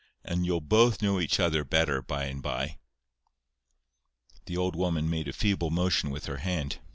"And you'll both know each other better by and by." The old woman made a feeble motion with her hand.